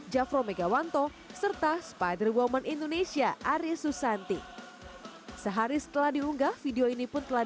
javro megawanto serta spider woman indonesia aris susanti sehari setelah diunggah video ini pun telah